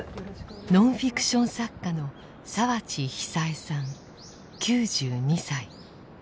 ノンフィクション作家の澤地久枝さん９２歳。